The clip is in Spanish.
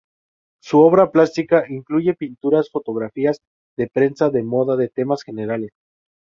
Su obra plástica incluye pinturas, fotografías de prensa, de moda, de temas generales.